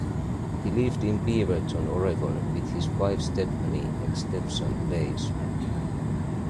He lived in Beaverton, Oregon with his wife Stephanie and stepson Blaze.